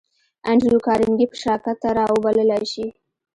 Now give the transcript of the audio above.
انډریو کارنګي به شراکت ته را وبللای شې